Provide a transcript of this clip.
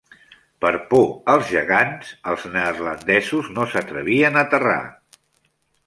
Per por als gegants, els neerlandesos no s'atrevien a aterrar.